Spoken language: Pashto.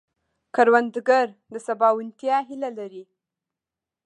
کروندګر د سباوونتیا هیله لري